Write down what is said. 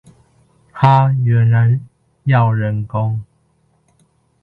哈！原來要人工！